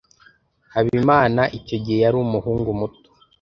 Habimana icyo gihe yari umuhungu muto.